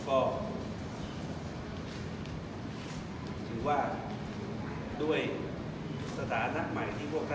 ก็ถือว่าด้วยสถานะใหม่ที่พวกท่าน